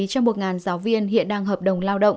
cho một giáo viên hiện đang hợp đồng lao động